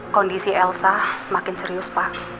kondisi elsa makin serius pak